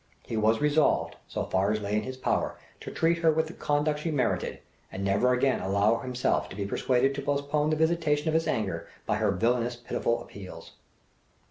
He was resolved, so far as lay in his power, to treat her with the conduct she merited, and never again allow himself to be persuaded to postpone the visitation of his anger by her villainous pitiful appeals.